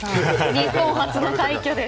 日本初の快挙です。